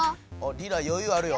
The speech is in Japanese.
リラよゆうあるよ。